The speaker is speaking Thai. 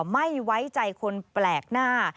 ไม่ไว้ใจคนแปลกหน้า